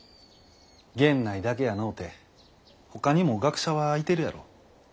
源内だけやのうてほかにも学者はいてるやろ。